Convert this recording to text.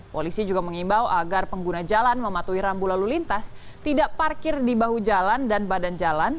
polisi juga mengimbau agar pengguna jalan mematuhi rambu lalu lintas tidak parkir di bahu jalan dan badan jalan